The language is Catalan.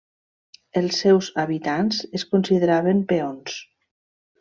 Els seus habitants es consideraven peons.